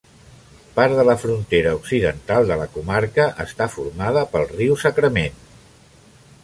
Part de la frontera occidental de la comarca està formada pel riu Sacramento.